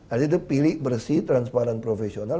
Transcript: artinya itu pilih bersih transparan profesional